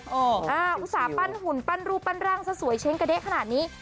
ก็ไม่โปสต์นะอ่อสาวปั้นหุ่นปั้นรูปปั้นรั่งซะสวยเช็งกระเด๊ะขนาดนี้